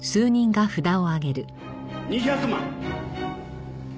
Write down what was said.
２００万。